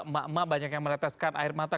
mama banyak yang meneteskan air mata